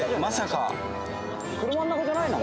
・車の中じゃない？